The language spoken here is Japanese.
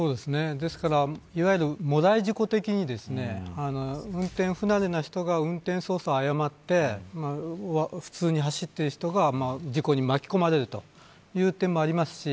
いわゆる、もらい事故的に運転不慣れな人が運転操作を誤って普通に走っている人が事故に巻き込まれるという点もありますし